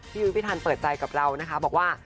ยุ้ยพี่ทันเปิดใจกับเรานะคะบอกว่า